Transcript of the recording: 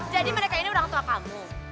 jadi mereka ini orang tua kamu